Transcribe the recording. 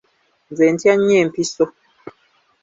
Nze ntya nnyo empiso.